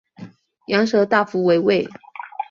羊舌大夫为尉。